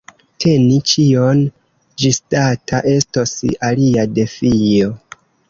Teni ĉion ĝisdata estos alia defio.